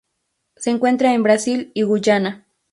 Se encuentra en Brasil y Guyana.